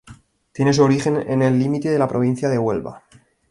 Tiene su origen en el límite de la provincia de Huelva.